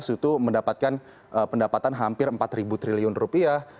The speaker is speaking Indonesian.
itu mendapatkan pendapatan hampir empat triliun rupiah